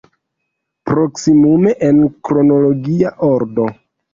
Proksimume en kronologia ordo.